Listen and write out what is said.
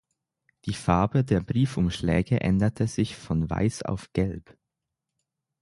Die Farbe der Briefumschläge änderte sich von weiß auf gelb.